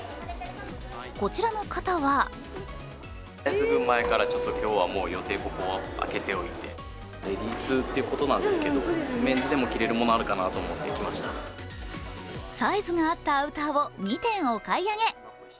こちらの方はサイズが合ったアウターを２点お買い上げ。